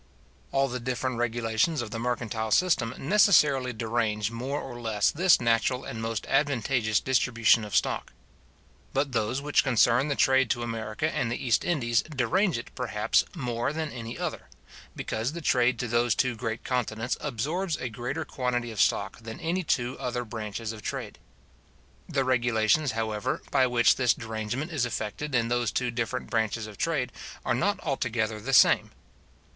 All the different regulations of the mercantile system necessarily derange more or less this natural and most advantageous distribution of stock. But those which concern the trade to America and the East Indies derange it, perhaps, more than any other; because the trade to those two great continents absorbs a greater quantity of stock than any two other branches of trade. The regulations, however, by which this derangement is effected in those two different branches of trade, are not altogether the same.